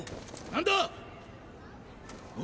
何だ！